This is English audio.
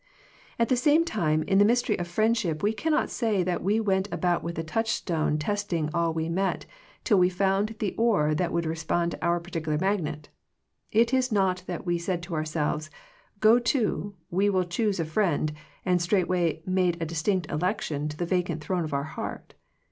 At the same time in the mystery of friendship we cannot say that we went about with a touchstone testing all we met, till we found the ore that would re spond to our particular magnet. It is not that we said to ourselves. Go to, we will choose a friend, and straightway made a distinct election to the vacant throne of our heart.